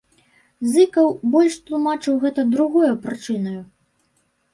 Зыкаў больш тлумачыў гэта другою прычынаю.